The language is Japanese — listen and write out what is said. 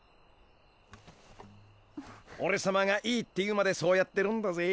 おれさまがいいって言うまでそうやってるんだぜ。